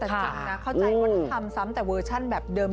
แต่จริงนะเข้าใจว่าถ้าทำซ้ำแต่เวอร์ชั่นแบบเดิม